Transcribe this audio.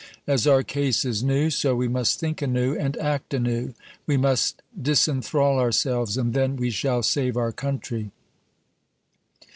As our case is new, so we must think anew and act anew. We must disenthral ourselves, and then we shall save our country.